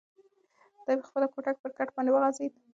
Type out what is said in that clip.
دی په خپله کوټه کې پر کټ باندې وغځېد.